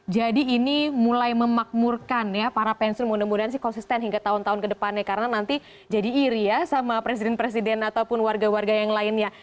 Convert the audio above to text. jadi ini mulai memakmurkan ya para pensiun mudah mudahan sih konsisten hingga tahun tahun ke depannya karena nanti jadi iri ya sama presiden presiden ataupun warga warga yang lainnya